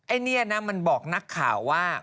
อันนี้นะมันบอกนักข่าวว่า